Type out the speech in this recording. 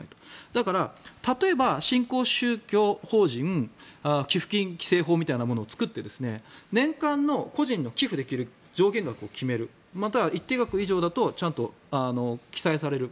だから、例えば新興宗教法人寄付金規制法みたいなのを作って年間の個人の寄付できる上限額を決めるまたは一定額以上だときちんと記載される。